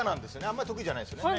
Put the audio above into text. あんまり得意じゃないっすよね？